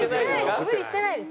無理してないです。